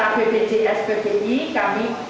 nah kemarin kita harus perbaiki data bpjs pbi